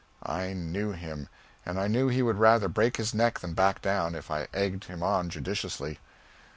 I knew him; and I knew he would rather break his neck than back down, if I egged him on judiciously.